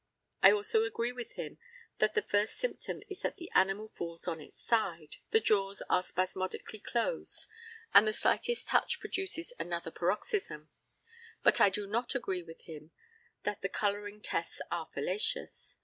I also agree with him that the first symptom is that the animal falls on its side, the jaws are spasmodically closed, and the slightest touch produces another paroxysm. But I do not agree with him that the colouring tests are fallacious.